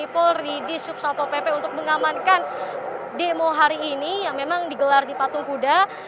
polri di subsato pp untuk mengamankan demo hari ini yang memang digelar di patung kuda